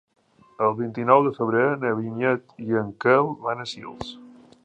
El vint-i-nou de febrer na Vinyet i en Quel van a Sils.